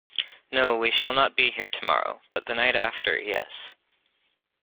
No, we shall not be here tomorrow; but the night after — yes.